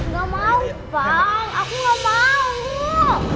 gak mau pak aku gak mau